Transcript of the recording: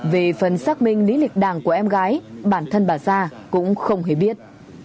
về phần xác minh lý lịch đảng của em gái bản thân bà sa cũng không hề biết